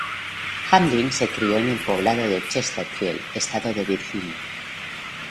Hamlin se crio en el poblado de Chesterfield, estado de Virginia.